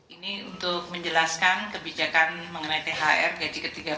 ini untuk menjelaskan kebijakan mengenai thr gaji ke tiga belas